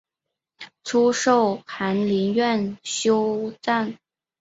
初授翰林院修撰。